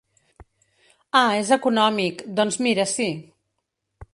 Ah, és econòmic, doncs mira sí.